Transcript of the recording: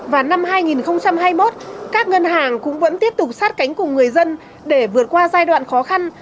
và năm hai nghìn hai mươi một các ngân hàng cũng vẫn tiếp tục sát cánh cùng người dân để vượt qua giai đoạn khó khăn